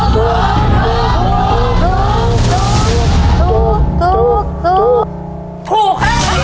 ถูกถูกถูก